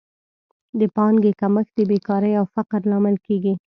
د پانګې کمښت د بېکارۍ او فقر لامل کیږي.